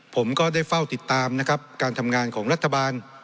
ผมก็ได้เฝ้าติดตามนะครับการทำงานของรัฐบาล